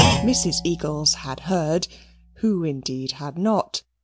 Mrs Eagles had heard who indeed had not?